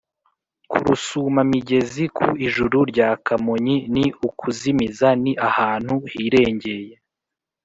ku rusumamigezi: ku ijuru rya kamonyi(ni ukuzimiza) ni ahantu hirengeye